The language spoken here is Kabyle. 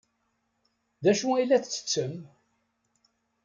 D acu ay la tettettem?